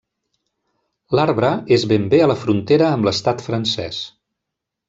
L'arbre és ben bé a la frontera amb l'Estat francès.